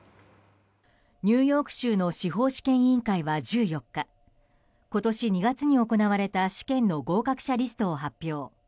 ニューヨーク州の司法試験委員会は１４日今年２月に行われた試験の合格者リストを発表。